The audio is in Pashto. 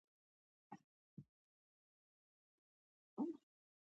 د مریانو ګټوره سوداګري د پاچا په انحصار کې وه.